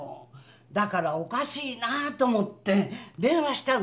だからおかしいなぁと思って電話したの。